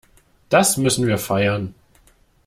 Das müssen wir feiern.